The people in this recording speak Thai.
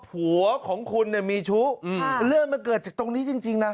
หัวของคุณเนี่ยมีชู้เรื่องมันเกิดจากตรงนี้จริงนะ